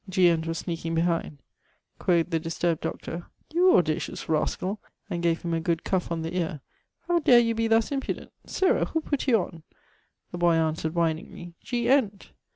G. Ent was sneaking behind. Qᵈ. the disturbed doctor, 'You audacious raskall,' and gave him a good cuffe on the ear, 'how dare you be thus impudent? Sirrah, who putt you on?' The boy answered (whiningly) 'G. Ent.'